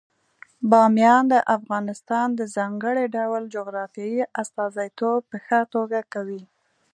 بامیان د افغانستان د ځانګړي ډول جغرافیې استازیتوب په ښه توګه کوي.